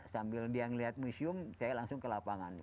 sambil dia melihat museum saya langsung ke lapangan